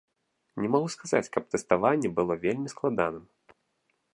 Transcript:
Не магу сказаць, каб тэставанне было вельмі складаным.